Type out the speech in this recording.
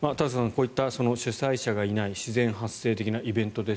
こういった主催者がいない自然発生的なイベント